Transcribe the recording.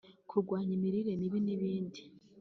kurwanya imirire mibi n’ibindi